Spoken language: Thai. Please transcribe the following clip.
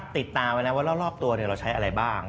ติดตามไว้แล้วว่ารอบตัวเราใช้อะไรบ้าง